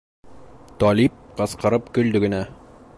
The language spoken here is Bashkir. Талип ҡысҡырып көлдө генә.